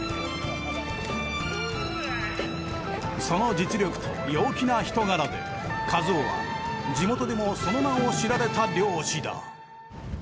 その実力と陽気な人柄で一夫は地元でもその名を知られた漁師だ。